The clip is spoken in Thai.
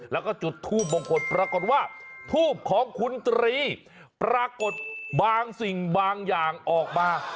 แล้วก็จุดทูบมงคลปรากฏว่าทูบของคุณตรีปรากฏบางสิ่งบางอย่างออกมา